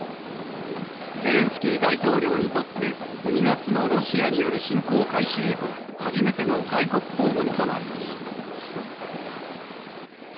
ゼレンスキー大統領にとって、２月のロシアによる侵攻開始以降、初めての外国訪問となります。